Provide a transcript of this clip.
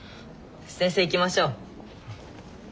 先生行きましょう。